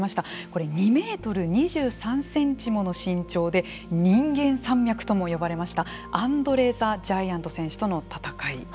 これ２メートル２３センチもの身長で人間山脈とも呼ばれましたアンドレ・ザ・ジャイアント選手との戦い。